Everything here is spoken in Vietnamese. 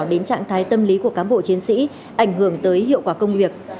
đến trạng thái tâm lý của cán bộ chiến sĩ ảnh hưởng tới hiệu quả công việc